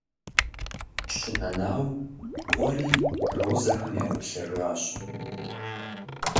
Пщы Нэнау кӀуэри розэхэм яӀуплъэжащ.